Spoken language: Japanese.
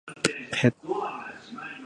ペット